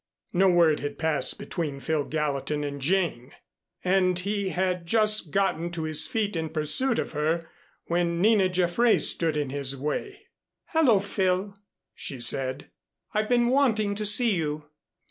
No word had passed between Phil Gallatin and Jane, and he had just gotten to his feet in pursuit of her when Nina Jaffray stood in his way. "Hello, Phil," she said. "I've been wanting to see you."